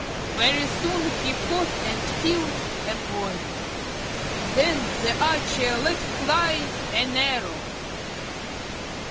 Very soon he caught and killed a pony. Then the archer let fly an arrow.